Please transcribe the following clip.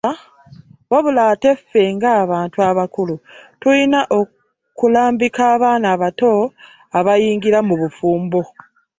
Wabula ate ffe ng'abantu abakulu tulina okulambika abaana abato abayingira mu bufumbo.